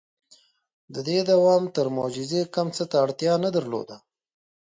• د دې دوام تر معجزې کم څه ته اړتیا نه درلوده.